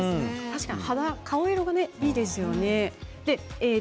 確かに肌色がいいですよね。